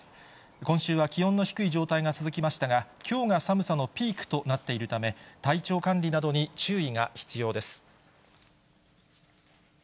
今週は気温の低い状態が続きましたが、きょうが寒さのピークとなっているため、体調管理などに注意が必要です。